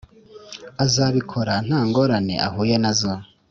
Azabikora nta ngorane ahuye na zo